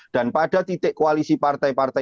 dan pada titik koalisi partai partai